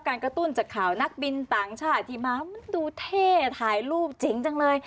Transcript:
การกระตุ้นจากข่าวนักบินต่างชาติที่มามันดูเท่ถ่ายรูปเจ๋งจังเลย